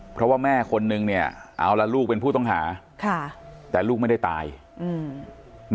เพราะว่าแม่คนนึงเนี่ยเอาละลูกเป็นผู้ต้องหาค่ะแต่ลูกไม่ได้ตายอืม